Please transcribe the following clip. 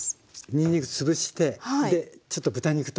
にんにく潰してでちょっと豚肉と一緒に？